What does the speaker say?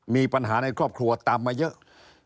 มีปัญหาในครอบครัวตามมาเยอะ